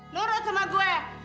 nurut sama gue